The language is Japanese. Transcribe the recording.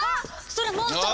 それモンストロ！